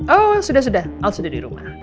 oh sudah sudah al sudah di rumah